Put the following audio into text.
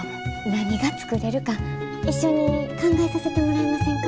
何が作れるか一緒に考えさせてもらえませんか？